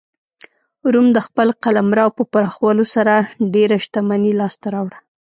روم د خپل قلمرو په پراخولو سره ډېره شتمني لاسته راوړه